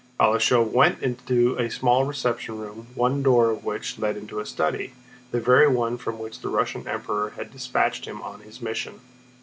Balashëv went into a small reception room, one door of which led into a study, the very one from which the Russian Emperor had dispatched him on his mission.